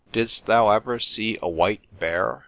——Didst thou ever see a white bear?